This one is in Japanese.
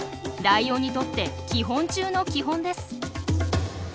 ライオンにとって基本中の基本です。